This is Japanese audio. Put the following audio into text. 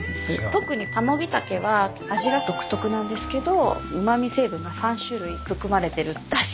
特にタモギタケは味が独特なんですけどうま味成分が３種類含まれてるだし